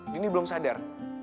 dini belum sadar